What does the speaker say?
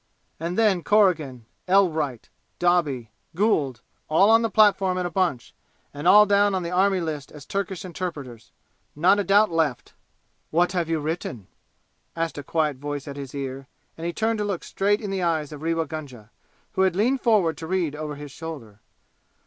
And then, Corrigan Elwright Doby Gould all on the platform in a bunch, and all down on the Army List as Turkish interpreters! Not a doubt left!" "What have you written?" asked a quiet voice at his ear; and he turned to look straight in the eyes of Rewa Gunga, who had leaned forward to read over his shoulder.